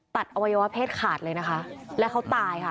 อวัยวะเพศขาดเลยนะคะแล้วเขาตายค่ะ